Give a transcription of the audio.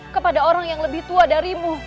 kepada orang yang lebih tua darimu